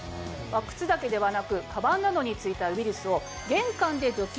靴だけではなくカバンなどに付いたウイルスを。